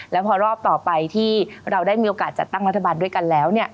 แล้วพอรอบต่อไปที่เราได้มีโอกาสจัดตั้งรัฐบาลด้วยกันแล้ว